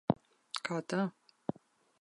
Kā tā?